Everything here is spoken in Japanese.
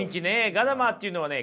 ガダマーっていうのはね